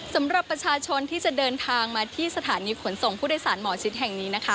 สำหรับประชาชนที่จะเดินทางมาที่สถานีขนส่งผู้โดยสารหมอชิดแห่งนี้นะคะ